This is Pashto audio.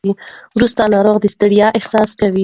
وروسته ناروغ د ستړیا احساس کوي.